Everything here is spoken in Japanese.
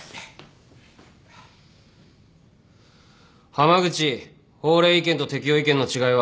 浜口法令違憲と適用違憲の違いは？